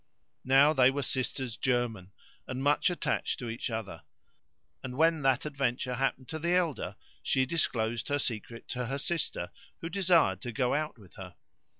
Now they were sisters german and much attached to each other; and, when that adventure happened to the elder, she disclosed her secret to her sister who desired to go out with her.